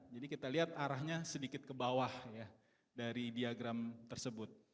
jadi kita lihat arahnya sedikit ke bawah dari diagram tersebut